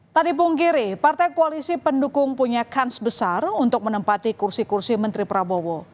tak dipungkiri partai koalisi pendukung punya kans besar untuk menempati kursi kursi menteri prabowo